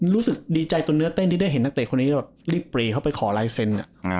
รู้สึกดีใจตัวเนื้อเต้นที่ได้เห็นนักเตะคนนี้แบบรีบปรีเข้าไปขอลายเซ็นต์